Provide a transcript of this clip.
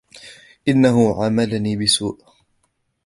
إنهُ عاملني بسوء.